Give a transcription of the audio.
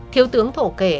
thiếu tướng thổ kể